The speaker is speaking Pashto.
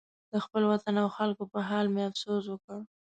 د خپل وطن او خلکو په حال مې افسوس وکړ.